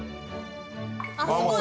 あっすごい。